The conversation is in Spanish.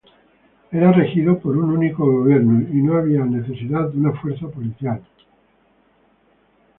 Era regido por un único gobierno y no había necesidad de una fuerza policial.